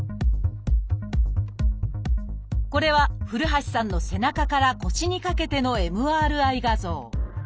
これは古橋さんの背中から腰にかけてのＭＲＩ画像。